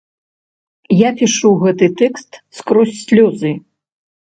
Я пішу гэты тэкст скрозь слёзы.